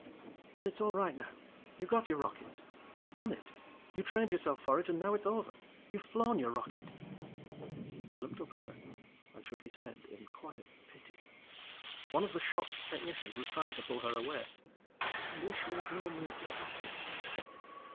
"But it's all right, now. You got your rockets. You've done it. You trained yourself for it, and now it's over. You've flown your rocket!" He looked up at her face and shook his head in quiet pity. One of the shocked technicians was trying to pull her away, and Ish made no move to stop him.